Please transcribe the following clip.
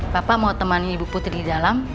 bapak mau temani ibu putri di dalam